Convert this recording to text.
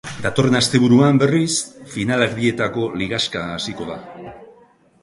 Datorren asteburuan, berriz, finalerdietako ligaxka hasiko da.